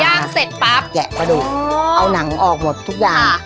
เสร็จปั๊บแกะกระดูกเอาหนังออกหมดทุกอย่าง